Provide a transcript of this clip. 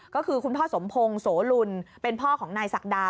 ก็คือคุณพ่อสมพงศ์โสลุลเป็นพ่อของนายศักดา